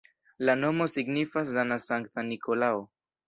La nomo signifas dana-Sankta Nikolao.